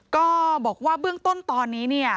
ก็บอกว่าเบื้องต้นตอนนี้เนี่ย